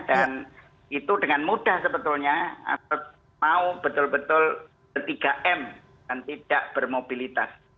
dan itu dengan mudah sebetulnya atau mau betul betul ketiga m dan tidak bermobilitas